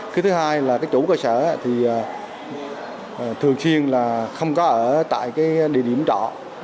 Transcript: cái thứ hai là cái chủ cơ sở thì thường xuyên là không có ở tại cái địa điểm trọ